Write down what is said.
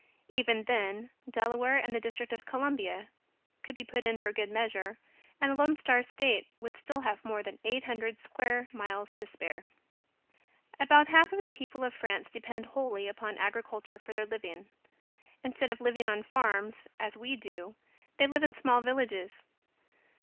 Even then, Delaware and the District of Columbia could be put in for good measure and the Lone Star State would still have more than eight hundred square miles to spare. About half of the people of France depend wholly upon agriculture for their living. Instead of living on farms as we do they live in small villages.